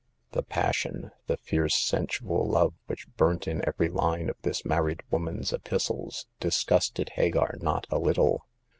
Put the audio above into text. The passion, the fierce sensual love which burnt in every line of this married woman's epistles, disgusted Hagar not a little.